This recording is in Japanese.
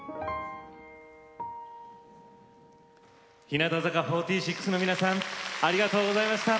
日向坂４６の皆さんありがとうございました。